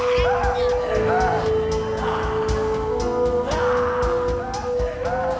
alumni merasa paraan saya